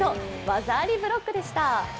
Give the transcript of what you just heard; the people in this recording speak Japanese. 技ありブロックでした。